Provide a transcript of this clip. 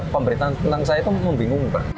pemberitahuan tentang saya tuh memang bingung